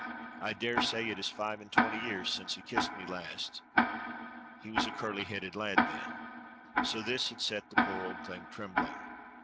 I dare say it is five and twenty years since he kissed me last. He was a curly headed lad then." So this had set the poor old thing trembling.